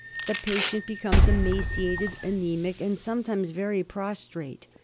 The patient becomes emaciated, anaemic, and sometimes very prostrate.